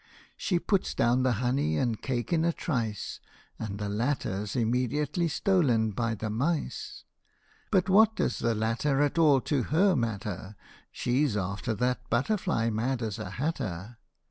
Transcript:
She puts down the honey and cake in a trice, And the latter 's immediately stolen by the mice. But what does the latter at all to her matter : She's after that butterfly, mad as a hatter.